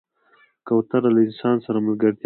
کوتره له انسان سره ملګرتیا کوي.